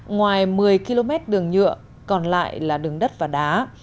ngoài một mươi km đường nhựa còn lại là đường đất và đá